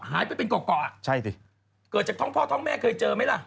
ไปเป็นเกาะอ่ะใช่ดิเกิดจากท้องพ่อท้องแม่เคยเจอไหมล่ะ